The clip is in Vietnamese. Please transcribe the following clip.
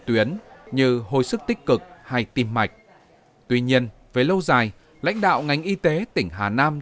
tuyến như hồi sức tích cực hay tim mạch tuy nhiên với lâu dài lãnh đạo ngành y tế tỉnh hà nam